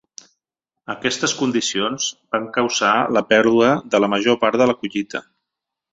Aquestes condicions van causar la pèrdua de la major part de la collita.